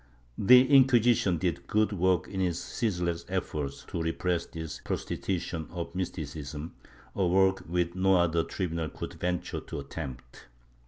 The Inquisition did good work in its ceaseless efforts to repress this prostitution of Mysticism — a work which no other tribunal could venture to attempt.